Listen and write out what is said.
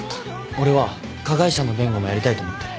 俺は加害者の弁護もやりたいと思ってる。